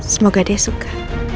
semoga dia suka